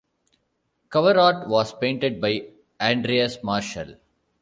Cover art was painted by Andreas Marshall.